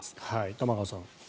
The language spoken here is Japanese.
玉川さん。